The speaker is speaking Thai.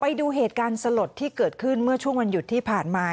ไปดูเหตุการณ์สลดที่เกิดขึ้นเมื่อช่วงวันหยุดที่ผ่านมา